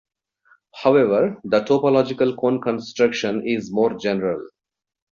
However, the topological cone construction is more general.